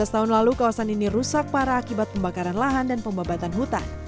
tujuh belas tahun lalu kawasan ini rusak parah akibat pembakaran lahan dan pembabatan hutan